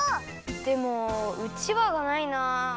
でもうちわがないな。